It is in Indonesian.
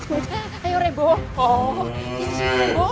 tarik tarik tarik